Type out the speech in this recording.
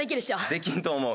できんと思う。